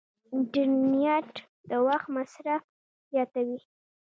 انټرنیټ د وخت مصرف زیاتوي.